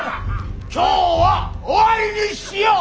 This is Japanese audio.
今日は終わりにしよう。